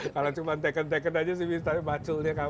kalau cuma tekad tekad aja sih tapi maculnya kapan